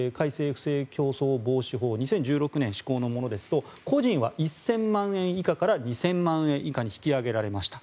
不正競争防止法２０１６年施行のものですと個人は１０００万円以下から２０００万円以下に引き上げられました。